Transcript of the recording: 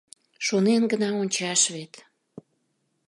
— Шонен гына ончаш вет!